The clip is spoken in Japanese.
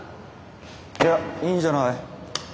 いやいいんじゃない？